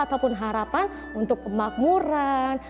ataupun harapan untuk kemakmuran